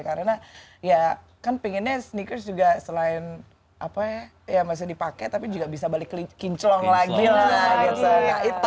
karena ya kan pinginnya sneakers juga selain apa ya ya masih dipake tapi juga bisa balik kinclong lagi lah gitu